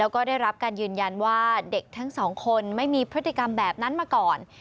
แล้วก็ได้รับการยืนยันว่าเด็กทั้งสองคนไม่มีพฤติกรรมแบบนั้นมาก่อน